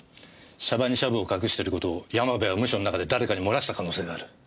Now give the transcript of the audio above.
シャバにシャブを隠してることを山部はムショの中で誰かに漏らした可能性がある。